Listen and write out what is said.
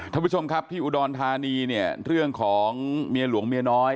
ท่านผู้ชมครับที่อุดรธานีเนี่ยเรื่องของเมียหลวงเมียน้อย